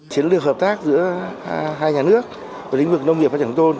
chiến lược hợp tác giữa hai nhà nước lĩnh vực nông nghiệp và trang trọng tôn